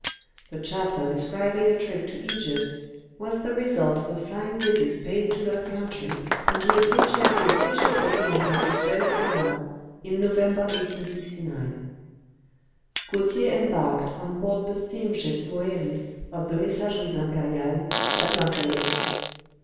The chapter describing a trip to Egypt was the result of a flying visit paid to that country on the occasion of the official opening of the Suez Canal in November, 1869. Gautier embarked on board the steamship "Moeris," of the Messageries Impériales, at Marseilles.